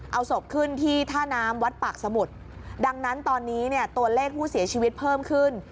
เอาศพขึ้นที่ท่าน้ำวัดปากสมุทรดังนั้นตอนนี้เนี่ยตัวเลขผู้เสียชีวิตเพิ่มขึ้น